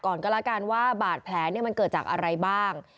กรรการว่าบาดแผลมันเกิดจากอะไรบ้าง